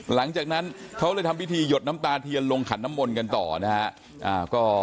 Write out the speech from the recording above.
หลังจากนั้นเขาเลยทำพิธีหยดน้ำตาเทียนลงขันน้ำมนต์กันต่อนะฮะ